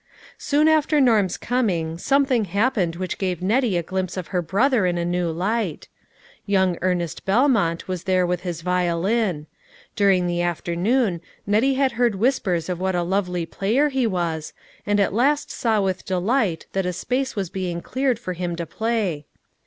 Soon after Norm's coming, something hap pened which gave Nettie a glimpse of her brother in a new light. Young Ernest Bclmont was there with his violin. During the after noon, Nettie had heard whispers of what a lovely player he was, and at last saw with de light that a space was being cleared for him to play.